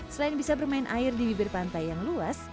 selain bisa bermain air di bibir pantai yang luas